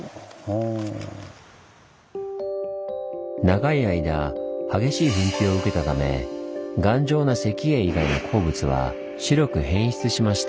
長い間激しい噴気を受けたため頑丈な石英以外の鉱物は白く変質しました。